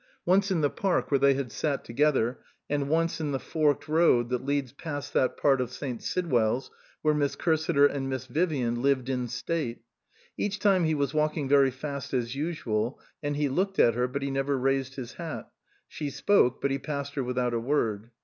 Once in the park where they had 278 A PAINFUL MISUNDERSTANDING sat together, and once in the forked road that leads past that part of St. Sidwell's where Miss Cursiter and Miss Vivian lived in state. Each time he was walking very fast as usual, and he looked at her, but he never raised his hat ; she spoke, but he passed her without a word.